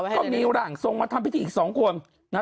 ก็มีร่างทรงมาทำพิธีอีก๒คน